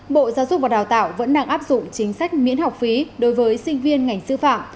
bộ giáo dục và đào tạo vẫn đang áp dụng chính sách miễn học phí đối với sinh viên ngành sư phạm